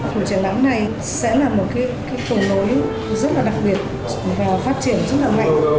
chuyện lãng này sẽ là một cái cầu nối rất là đặc biệt và phát triển rất là mạnh